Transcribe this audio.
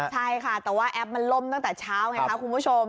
ใช่ค่ะแต่ว่าแอปมันล่มตั้งแต่เช้าไงคะคุณผู้ชม